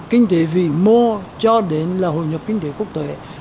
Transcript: kinh tế vĩ mô cho đến là hội nhập kinh tế quốc tế